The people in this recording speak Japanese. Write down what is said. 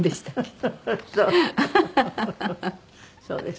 そう。